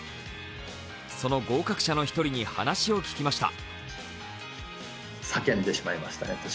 その合格者の一人に話を聞きました。